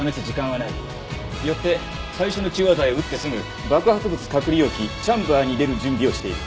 よって最初の中和剤を打ってすぐ爆発物隔離容器チャンバーに入れる準備をしている。